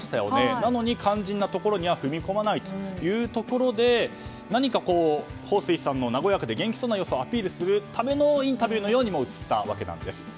なのに肝心なところに踏み込まないというところで何かホウ・スイさんの和やかで元気そうな様子をアピールするためのインタビューのようにも映ったわけです。